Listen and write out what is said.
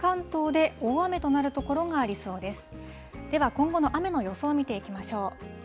では今後の雨の予想を見ていきましょう。